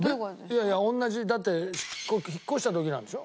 いやいや同じだってこれ引っ越した時なんでしょ？